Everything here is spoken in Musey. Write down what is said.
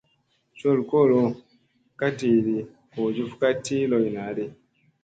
Col kolo ka tiiɗi ,goo juf ka tii loy naaɗi.